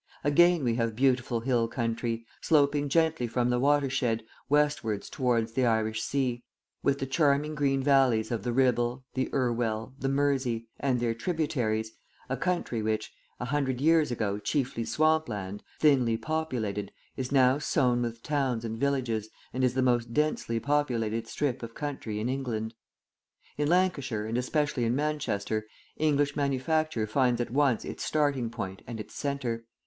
Again we have beautiful hill country, sloping gently from the watershed westwards towards the Irish Sea, with the charming green valleys of the Ribble, the Irwell, the Mersey, and their tributaries, a country which, a hundred years ago chiefly swamp land, thinly populated, is now sown with towns and villages, and is the most densely populated strip of country in England. In Lancashire, and especially in Manchester, English manufacture finds at once its starting point and its centre.